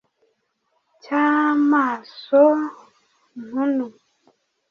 Cy'amaso ntunu